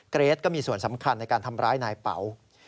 เกรทก็มีส่วนสำคัญในการทำร้ายนายเป๋า